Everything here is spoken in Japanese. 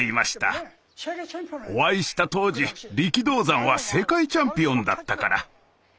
お会いした当時力道山は世界チャンピオンだったから。